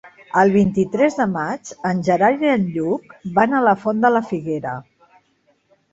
El vint-i-tres de maig en Gerard i en Lluc van a la Font de la Figuera.